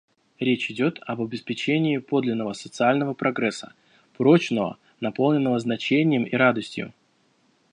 Речь идет об обеспечении подлинного социального прогресса, — прочного, наполненного значением и радостью.